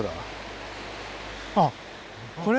あっこれ？